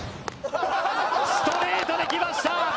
ストレートできました！